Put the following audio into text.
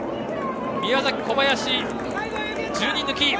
宮崎の小林は１０人抜き。